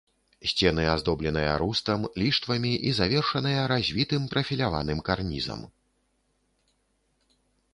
Сцены аздобленыя рустам, ліштвамі і завершаныя развітым прафіляваным карнізам.